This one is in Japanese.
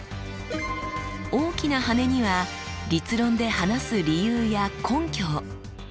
大きな羽には立論で話す理由や根拠を。